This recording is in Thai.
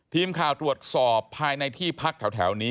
ทีมข่าวตรวจสอบภายในที่พักแถวนี้